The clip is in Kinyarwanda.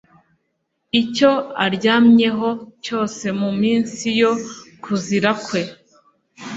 icyo aryamyeho cyose mu minsi yo kuzira kwe